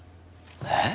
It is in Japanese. えっ！？